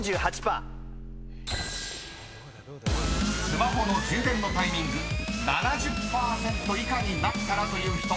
［スマホの充電のタイミング７０％以下になったらという人］